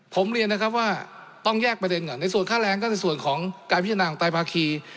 ผมเรียนนะครับว่าต้องแยกประเด็นก่อนในส่วนค่าแรงก็ในส่วนของการพิจารณาของไตภาคี